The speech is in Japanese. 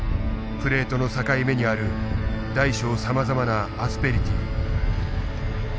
プレートの境目にある大小さまざまなアスペリティー。